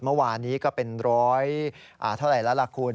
เมื่อวานนี้ก็เป็นร้อยเท่าไหร่แล้วล่ะคุณ